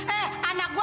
eh anak gue